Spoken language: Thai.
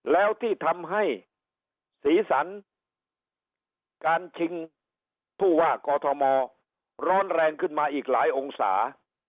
แล้วที่ทำให้สีสันการชิงผู้ว่ากอทมร้อนแรงขึ้นมาอีกหลายองศา